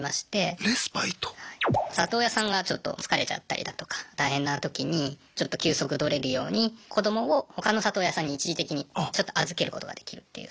里親さんがちょっと疲れちゃったりだとか大変なときにちょっと休息取れるように子どもを他の里親さんに一時的にちょっと預けることができるっていう制度があるんですね。